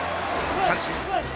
三振！